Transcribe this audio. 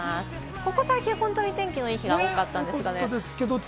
ここ最近、本当に天気のいい日が多かったんですけれども。